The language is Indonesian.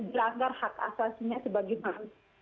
dilanggar hak asasinya sebagai manusia